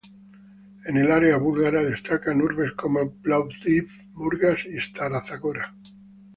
En el área búlgara destacan urbes como Plovdiv, Burgas y Stara Zagora.